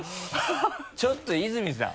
ちょっと泉さん